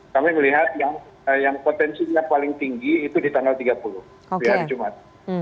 kami melihat yang potensinya paling tinggi itu di tanggal tiga puluh di hari jumat